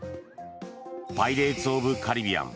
「パイレーツ・オブ・カリビアン」